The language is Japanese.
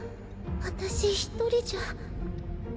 私一人じゃ。